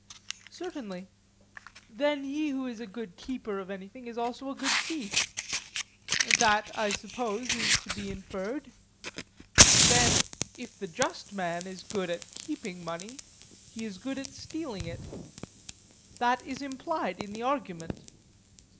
Certainly. Then he who is a good keeper of anything is also a good thief? That, I suppose, is to be inferred. Then if the just man is good at keeping money, he is good at stealing it. That is implied in the argument.